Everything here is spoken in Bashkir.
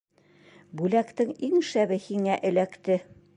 Бүләктең иң шәбе һиңә эләкте.